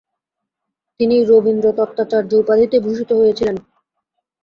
তিনি রবীন্দ্রতত্ত্বাচার্য উপাধিতে ভূষিত হয়েছিলেন।